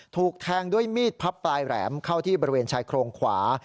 ถูกแทงด้วยมีดพับปลายแหลมเข้าที่บริเวณชายโครงขวา